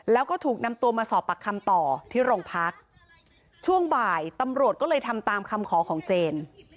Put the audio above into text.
แล้วก็ถูกนำตัวมาสอบปากคำต่อที่โรงพักช่วงบ่ายตำรวจก็เลยทำตามคำขอของเจน